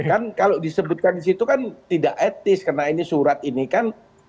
kan kalau disebutkan di situ kan tidak etis karena ini surat ini kan